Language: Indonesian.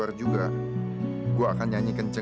aku ada di depan rumah kamu